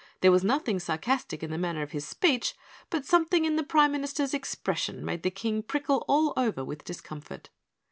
There was nothing sarcastic in the manner of his speech, but something in the Prime Minister's expression made the King prickle all over with discomfort.